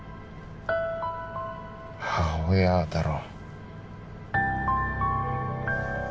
母親だろ